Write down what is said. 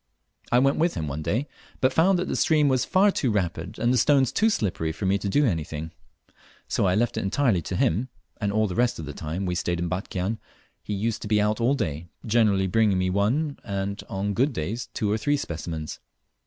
I went with him one day, but found that the stream was far too rapid and the stones too slippery for me to do anything, so I left it entirely to him, and all the rest of the time we stayed in Batchian he used to be out all day, generally bringing me one, and on good days two or three specimens.